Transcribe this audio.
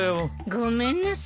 ごめんなさい。